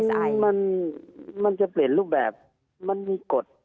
อันนี้มันจะเปลี่ยนรูปแบบมันมีกฎ